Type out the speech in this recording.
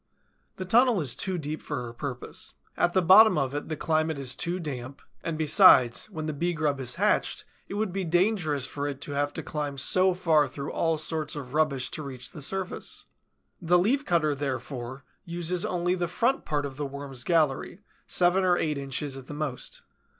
The tunnel is too deep for her purpose. At the bottom of it the climate is too damp, and besides, when the Bee grub is hatched, it would be dangerous for it to have to climb so far through all sorts of rubbish to reach the surface. The Leaf cutter, therefore, uses only the front part of the Worm's gallery, seven or eight inches at the most.